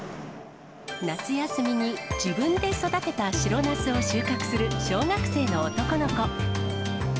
夏休みに自分で育てた白ナスを収穫する小学生の男の子。